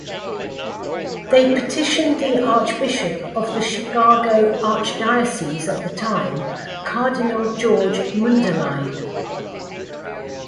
They petitioned the Archbishop of the Chicago Archdiocese at the time, Cardinal George Mundelein.